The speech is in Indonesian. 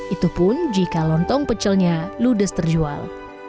itu pun jika lontong pecelnya ludes terjual